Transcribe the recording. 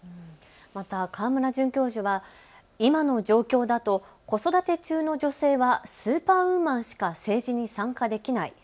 また河村准教授は今の状況だと子育て中の女性はスーパーウーマンしか政治に参加できない。